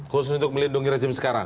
khusus untuk melindungi rezim sekarang